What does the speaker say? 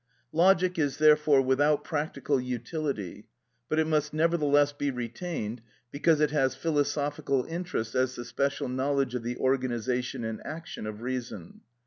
Logic is, therefore, without practical utility; but it must nevertheless be retained, because it has philosophical interest as the special knowledge of the organisation and action of reason.